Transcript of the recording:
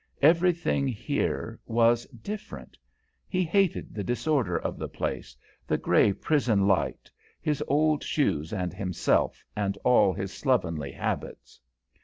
Everything here was different; he hated the disorder of the place, the grey prison light, his old shoes and himself and all his slovenly habits.